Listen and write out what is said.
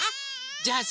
じゃあさ